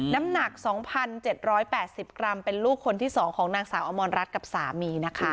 น้ำหนัก๒๗๘๐กรัมเป็นลูกคนที่๒ของนางสาวอมรรัฐกับสามีนะคะ